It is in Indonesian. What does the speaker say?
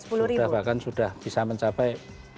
sudah bahkan sudah bisa mencapai